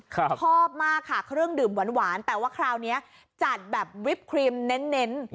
ชอบมากค่ะเครื่องดื่มหวานแต่ว่าคราวนี้จัดแบบวิปครีมเน้น